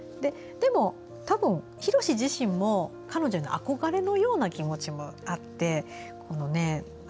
でも多分、広志自身も彼女への憧れのような気持ちもあって。